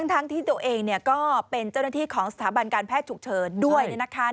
ทั้งที่ตัวเองก็เป็นเจ้าหน้าที่ของสถาบันการแพทย์ฉุกเฉินด้วยนะคะ